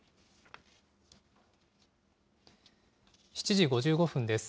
７時５５分です。